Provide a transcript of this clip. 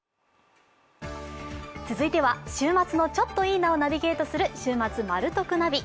続いては週末のちょっといいなをナビゲートする「週末マル得ナビ」。